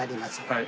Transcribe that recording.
はい。